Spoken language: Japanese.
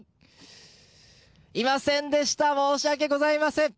いませんでした申し訳ございません。